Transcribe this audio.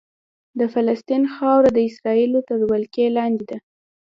د فلسطین خاوره د اسرائیلو تر ولکې لاندې ده.